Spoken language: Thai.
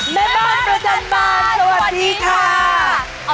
มาบรรพจรรมานสวัสดีท่า